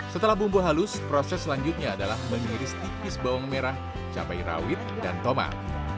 setelah bumbu halus proses selanjutnya adalah mengiris tipis bawang merah cabai rawit dan tomat